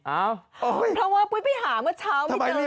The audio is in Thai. อ้าวเพราะว่าพูดไปหาเมื่อเช้าไม่เจอแล้วค่ะเออโอ้ย